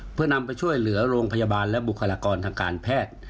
เพื่อนำไปช่วยเหลือโรงพยาบาลและบุคลากรทางการแพทย์